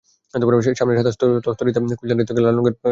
সামনের সাদা তস্তরিতে থাকে কুইন্সল্যান্ড থেকে ধরা লাল রঙের গলদা চিংড়ি।